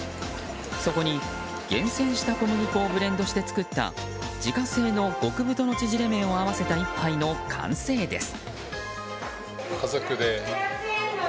そこに厳選した小麦粉をブレンドして作った自家製の極太の縮れ麺を合わせた１杯の完成です。